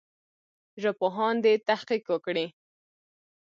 ژبپوهان دي تحقیق وکړي.